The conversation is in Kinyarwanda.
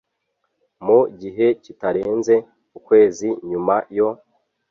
Mu gihe kitarenze ukwezi nyuma yo